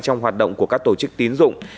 trong hoạt động của các tổ chức tín dụng